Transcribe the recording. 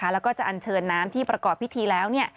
แล้วก็จะอันเชิญน้ำที่ประกอบพิธีแล้ว